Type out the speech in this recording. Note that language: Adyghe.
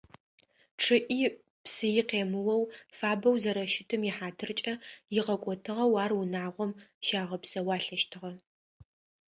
Чъыӏи-псыӏи къемыоу, фабэу зэрэщытым ихьатыркӏэ игъэкӏотыгъэу ар унагъом щагъэпсэуалъэщтыгъэ.